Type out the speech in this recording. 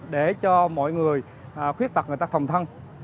để cho mọi người khuyết tật người ta phòng thân